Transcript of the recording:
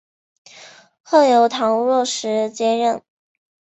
后由唐若时接任。